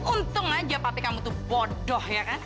untung aja tapi kamu tuh bodoh ya kan